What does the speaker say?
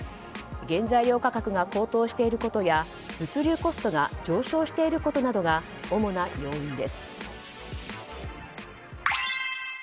原材料価格が高騰していることや物流コストが上昇していることなどが主な要因です。